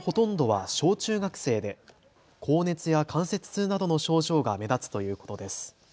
患者のほとんどは小中学生で高熱や関節痛などの症状が目立つということです。